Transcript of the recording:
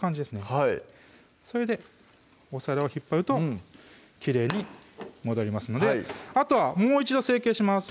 はいそれでお皿を引っ張るときれいに戻りますのであとはもう一度成形します